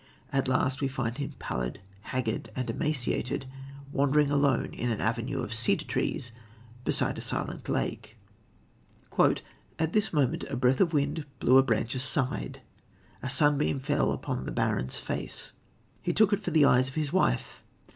At last, we find him pallid, haggard, and emaciated, wandering alone in an avenue of cedar trees beside a silent lake: "At this moment a breath of wind blew a branch aside a sunbeam fell upon the baron's face; he took it for the eyes of his wife.